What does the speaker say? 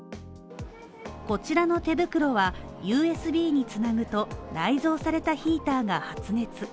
こちらの手袋はＵＳＢに繋ぐと、内蔵されたヒーターが発熱。